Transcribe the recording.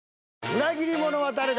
裏切者は誰だ？